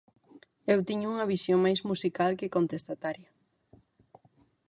Eu tiña unha visión máis musical que contestataria.